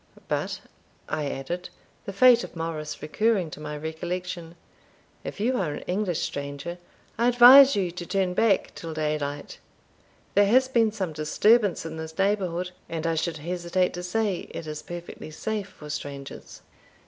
But," I added, the fate of Morris recurring to my recollection, "if you are an English stranger, I advise you to turn back till daylight; there has been some disturbance in this neighbourhood, and I should hesitate to say it is perfectly safe for strangers."